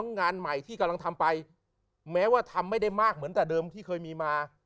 งานใหม่ที่กำลังทำไปแม้ว่าทำไม่ได้มากเหมือนแต่เดิมที่เคยมีมา